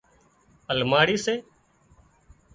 الماڙِي سي